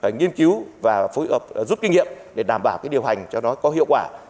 nghiên cứu và giúp kinh nghiệm để đảm bảo điều hành cho nó có hiệu quả